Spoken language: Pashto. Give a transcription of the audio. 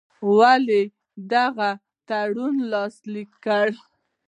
ولي یې دغه تړون لاسلیک کړ.